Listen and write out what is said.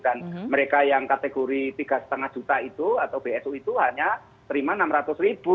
dan mereka yang kategori tiga lima juta itu atau bsu itu hanya terima enam ratus ribu